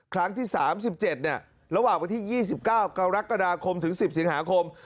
ครั้งที่๓๗ระหว่างวันที่๒๙กรกฎาคมถึง๑๐สิงหาคม